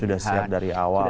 jadi sudah siap dari awal ya